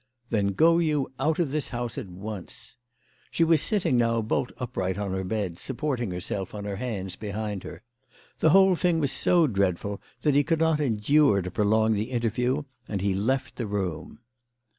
" Then go you out of this house at once," She was sitting now bolt upright on her bed, supporting herself on her hands behind her. The whole thing was so dreadful that he could not endure to prolong the in terview, and he left the room.